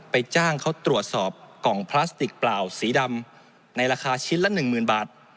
ไปจ้างเขาตรวจสอบกล่องพลาสติกเปล่าสีดำในราคาชิ้นละ๑๐๐๐๐บาท